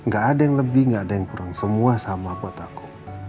gak ada yang lebih gak ada yang kurang semua sama buat aku